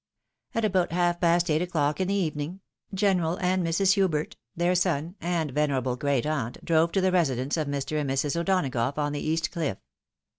At about half past eight o'clock in the evening. General and Mrs. Hubert, their son, and venerable great aunt drove to the residence of Mr. and Mrs. O'Donagough on the East Cliff.